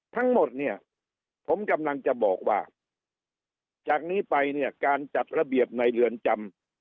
ทั้งหมดเนี่ยผมกำลังจะบอกว่าจากนี้ไปเนี่ยการจัดระเบียบในเรือนจำ